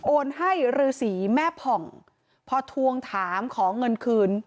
โอนให้ฤษีแม่ผ่องพอทวงถามขอเงินคืน